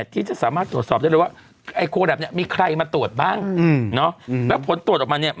ที่จะสามารถตรวจสอบ